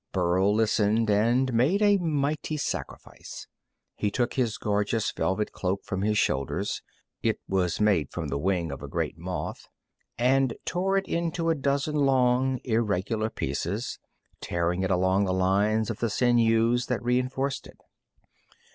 Burl listened, and made a mighty sacrifice. He took his gorgeous velvet cloak from his shoulders it was made from the wing of a great moth and tore it into a dozen long, irregular pieces, tearing it along the lines of the sinews that reinforced it.